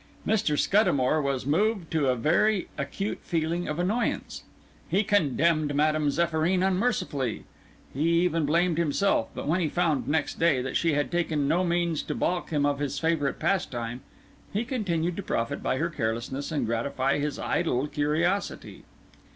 Mr. Scuddamore was moved to a very acute feeling of annoyance; he condemned Madame Zéphyrine unmercifully; he even blamed himself; but when he found, next day, that she had taken no means to baulk him of his favourite pastime, he continued to profit by her carelessness, and gratify his idle curiosity.